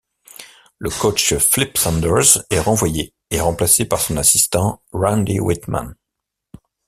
Le coach Flip Saunders est renvoyé et remplacé par son assistant Randy Wittman.